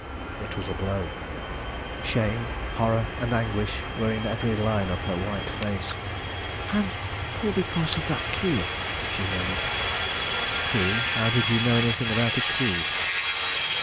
It was a blow. Shame, horror, and anguish were in every line of her white face. "And all because of that key!" she murmured. "Key? How did you know anything about a key?"